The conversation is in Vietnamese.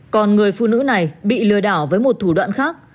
còn người phụ nữ này bị lừa đảo với một thủ đoạn khác